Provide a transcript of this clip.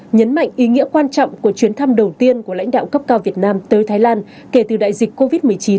nhấn mạnh ý nghĩa quan trọng của chuyến thăm đầu tiên của lãnh đạo cấp cao việt nam tới thái lan kể từ đại dịch covid một mươi chín